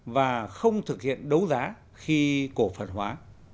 và không thực hiện đấu giá khi cổ phần hóa